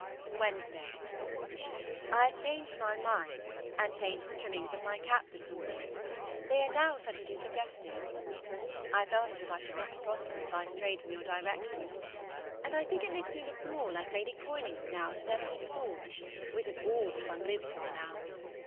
... Wednesday. I have changed my mind, and changed the trimmings of my cap this morning; they are now such as you suggested. I felt as if I should not prosper if I strayed from your directions, and I think it makes me look more like Lady Conyngham now than it did before, which is all that one lives for now.